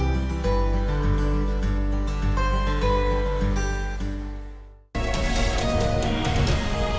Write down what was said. ketua rekan pujian yang dihidupkan